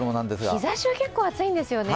日ざしは結構暑いんですよね。